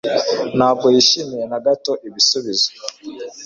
Ntabwo yishimiye na gato ibisubizo.